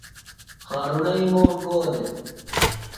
خارُݨئی موݨ گو دےۡ ؟